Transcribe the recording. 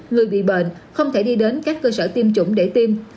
người bị bệnh không thể đi đến các cơ sở tiêm chủng để tiêm